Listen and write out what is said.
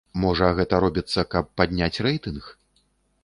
Можа гэта робіцца, каб падняць рэйтынг?